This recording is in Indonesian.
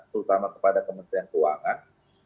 terutama kepada kementerian keuangan